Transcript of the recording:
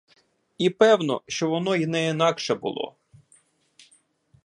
І певно, що воно й не інакше було.